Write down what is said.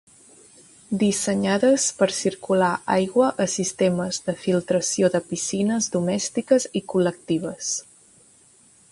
Dissenyades per circular aigua a sistemes de filtració de piscines domèstiques i col·lectives.